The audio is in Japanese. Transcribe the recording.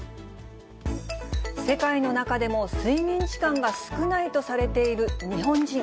世界の中でも睡眠時間が少ないとされている日本人。